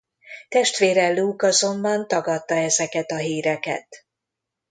Testvére Luke azonban tagadta ezeket a híreket.